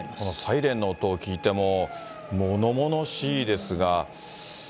サイレンの音を聞いても、ものものしいですが。